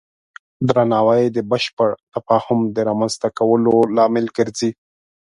درناوی د بشپړ تفاهم د رامنځته کولو لامل ګرځي.